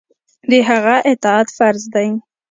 د هغه اطاعت فرض دی.